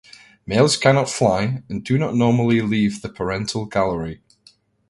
Males cannot fly and do not normally leave the parental gallery.